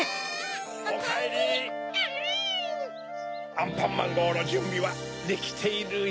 アンパンマンごうのじゅんびはできているよ。